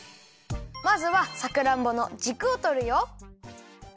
まずはさくらんぼのじくをとるよ。